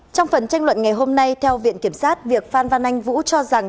trong phần tranh luận ngày hôm nay theo viện kiểm sát việc phan văn anh vũ cho rằng